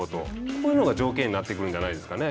こういうのが条件になってくるんじゃないですかね。